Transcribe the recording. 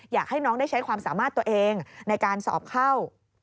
อยากให้น้องได้ใช้ความสามารถตัวเองในการสอบเข้า